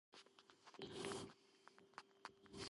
ორნამენტებისა და მორთულობის ხასიათით ენათესავება ბოლნისის სიონს.